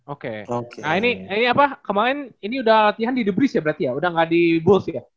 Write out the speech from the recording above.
oke nah ini apa kemarin ini udah latihan di the breez ya berarti ya udah gak di bulls ya